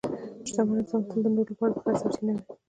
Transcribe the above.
شتمن انسان تل د نورو لپاره د خیر سرچینه وي.